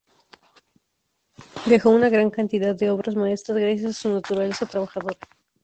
Dejó una gran cantidad de obras maestras gracias a su naturaleza trabajadora.